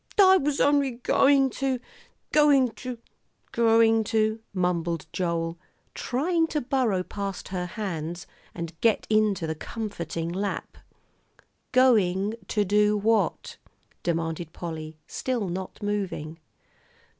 "I was only going to going to going to " mumbled Joel, trying to burrow past her hands, and get into the comforting lap. "Going to do what?" demanded Polly, still not moving.